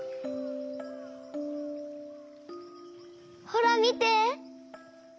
ほらみて！